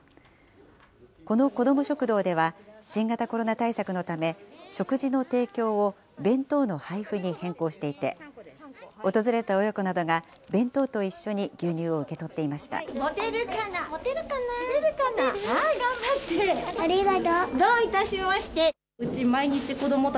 この子ども食堂では、新型コロナ対策のため、食事の提供を弁当の配布に変更していて、訪れた親子などが、弁当と一緒に牛乳を受け取っていました。